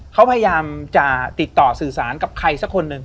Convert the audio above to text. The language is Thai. เขาพยายามจะติดต่อสื่อสารกับใครสักคนหนึ่ง